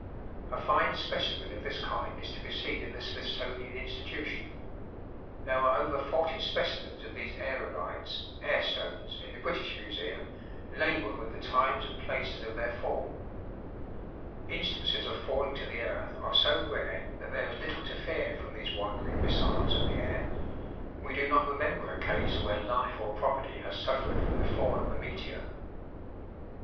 A fine specimen of this kind is to be seen in the Smithsonian Institution. There are over forty specimens of these aërolites (air stones) in the British Museum, labeled with the times and places of their fall. Instances of falling to the earth are so rare that there is little to fear from these wandering missiles of the air. We do not remember a case where life or property has suffered from the fall of a meteor.